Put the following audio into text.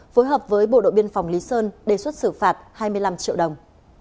phối hợp với bộ đội biên phòng lý sơn đề xuất xử phạt hai mươi năm triệu đồng